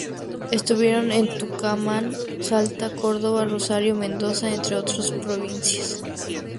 Estuvieron en Tucumán, Salta, Córdoba, Rosario, Mendoza, entre otras provincias.